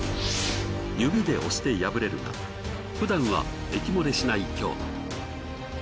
指で押して破れるがふだんは液漏れしない強度。